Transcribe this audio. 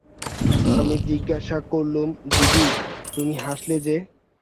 আমি জিজ্ঞাসা করলুম, দিদি, তুমি হাসলে যে?